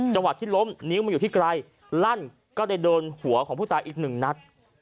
จังหวะที่ล้มนิ้วมันอยู่ที่ไกลลั่นก็เลยโดนหัวของผู้ตายอีกหนึ่งนัด